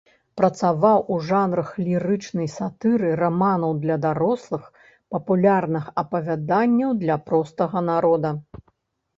Працаваў у жанрах лірычнай сатыры, раманаў для дарослых, папулярных апавяданняў для простага народа.